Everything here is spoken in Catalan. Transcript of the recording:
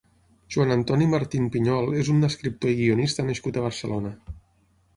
Joan Antoni Martín Piñol és un escriptor i guionista nascut a Barcelona.